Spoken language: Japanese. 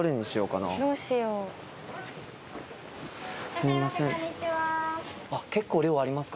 すみません。